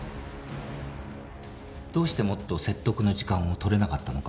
どうしてもっと説得の時間をとれなかったのか？